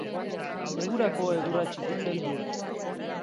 Negurako egurra txikitzen du.